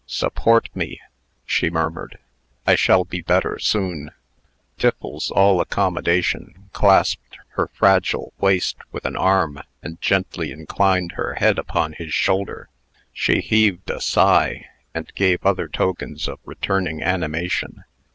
"Support me," she murmured. "I shall be better soon." Tiffles, all accommodation, clasped her fragile waist with an arm, and gently inclined her head upon his shoulder. She heaved a sigh, and gave other tokens of returning animation.